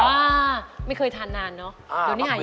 อ้าาไม่เคยทานนานเนาะโดยรวมนี้หายาก